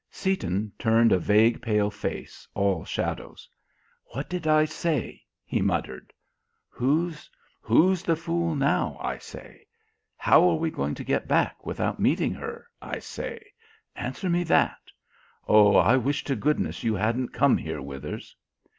Seaton turned a vague pale face, all shadows: "What did I say?" he muttered. "Who's who's the fool now, I say? How are we going to get back without meeting her, I say? Answer me that! Oh, I wish to goodness you hadn't come here, Withers."